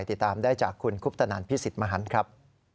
ติดตามได้จากคุณคุปตนันพิสิทธิ์มหันครับ